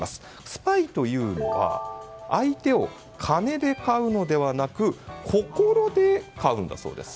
スパイというのは相手を金で買うのではなく心で買うんだそうです。